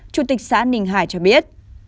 chủ tịch xã ninh hải cho biết